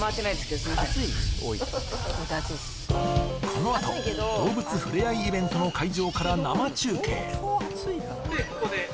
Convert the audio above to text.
このあと、動物触れ合いイベントの会場から生中継。